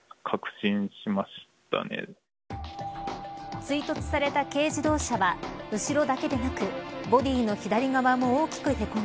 追突された軽自動車は後ろだけでなくボディの左側も大きくへこみ